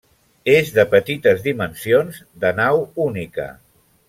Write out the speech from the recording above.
És de petites dimensions, de nau única.